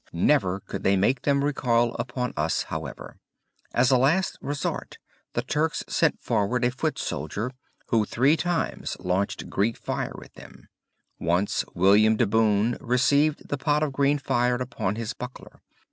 Never could they make them recoil upon us, however. As a last resort the Turks sent forward a foot soldier who three times launched Greek fire at them. Once William de Boon received the pot of green fire upon his buckler.